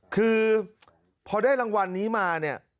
คือพอได้รางวัลนี้มาเนี่ย